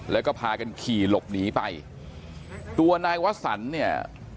แล้วก็พากันขี่หลบหนีไปตัวนายวสันเนี่ย